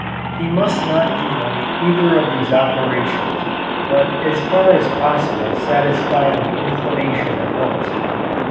He must not delay either of these operations, but as far as possible satisfy the inclination at once.